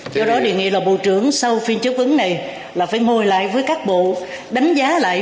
do đó đề nghị là bộ trưởng sau phiên chấp ứng này là phải ngồi lại với các bộ đánh giá lại